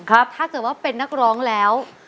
ถ้าเกิดว่าเป็นนักร้องแล้ว